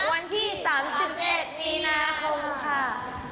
วันที่๓๑มีนาคมค่ะ